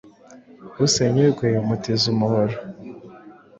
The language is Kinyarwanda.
Usenya urwe umutiza umuhoro rwose”.